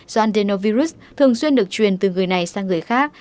do adenovirus thường xuyên được truyền từ người này sang người khác